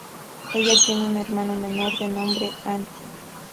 Ella tiene un hermano menor de nombre, Antti.